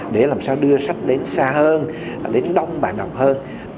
để làm sao đưa sách đến xa hơn đến đông và nồng hơn